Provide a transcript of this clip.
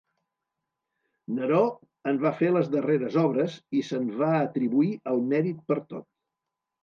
Neró en va fer les darreres obres i se'n va atribuir el mèrit per tot.